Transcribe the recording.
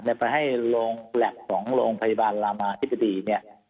ไปให้โรงแล็บของโรงพยาบาลรามาธิบดีเนี่ย